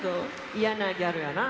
イヤなギャルやな。